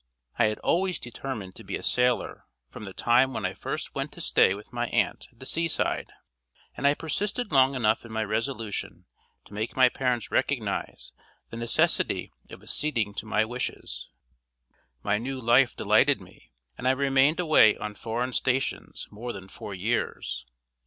I had always determined to be a sailor from the time when I first went to stay with my aunt at the sea side, and I persisted long enough in my resolution to make my parents recognize the necessity of acceding to my wishes. My new life delighted me, and I remained away on foreign stations more than four years.